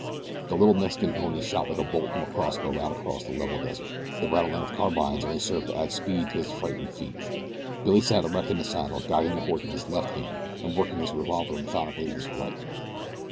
The little Mexican pony shot like a bolt from a crossbow out across the level desert. The rattling of carbines only served to add speed to its frightened feet. Billy sat erect in the saddle, guiding the horse with his left hand and working his revolver methodically with his right.